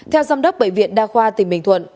theo giám đốc bệnh viện đa khoa tỉnh bình thuận